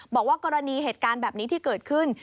บอกว่ากรณีเหตุการณ์แบบนี้ที่เกิดขึ้น